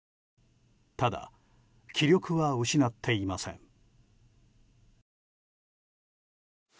ただ、気力は失っていません。